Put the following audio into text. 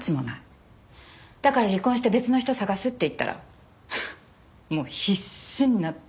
だから離婚して別の人探すって言ったらもう必死になって。